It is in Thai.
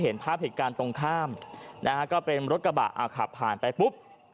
เห็นภาพเหตุการณ์ตรงข้ามนะฮะก็เป็นรถกระบะอ่าขับผ่านไปปุ๊บ